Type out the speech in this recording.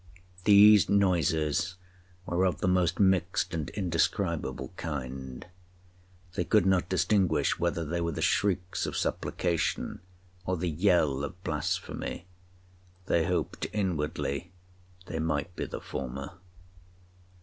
These noises were of the most mixed and indescribable kind. They could not distinguish whether they were the shrieks of supplication, or the yell of blasphemy—they hoped inwardly they might be the former.